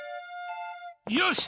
よし！